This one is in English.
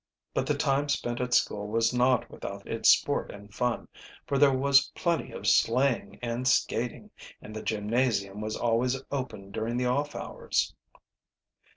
But the time spent at school was not without its sport and fun, for there was plenty of sleighing and skating, and the gymnasium was always open during the off hours.